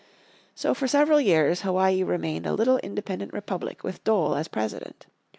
So for several years Hawaii remained a little independent republic with Dole as President.